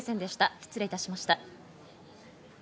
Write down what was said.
失礼いたしました。